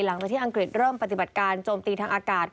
หลังจากที่อังกฤษเริ่มปฏิบัติการโจมตีทางอากาศ